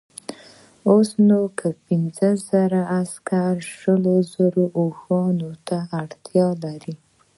اوس نو که پنځه زره عسکر شلو زرو اوښانو ته اړتیا لري.